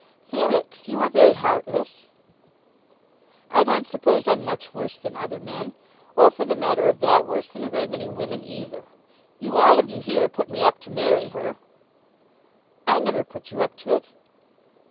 "Felix, you are very heartless." "I don't suppose I'm much worse than other men; or for the matter of that, worse than a great many women either. You all of you here put me up to marry her." "I never put you up to it."